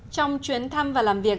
trong chuyến thăm và làm việc